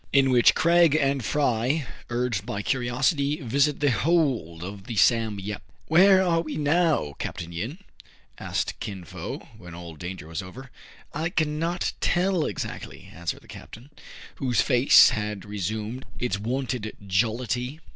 IN WHICH CRAIG AND FRY, URGED BY CURIOSITY, VISIT THE HOLD OF THE " SAM YEF.'* " Where are we now, Capt. Yin ?" asked Kin Fo, when all danger was over. " I cannot tell exactly," answered the captain, whose face had resumed its wonted jollity.